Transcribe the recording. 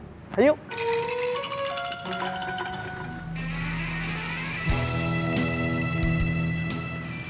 sekarang ada satu kemasinannya